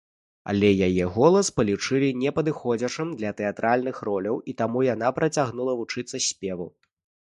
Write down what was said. Але яе голас палічылі непадыходзячым для тэатральных роляў, і таму яна працягнула вучыцца спеву.